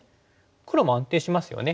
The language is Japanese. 黒も安定しますよね。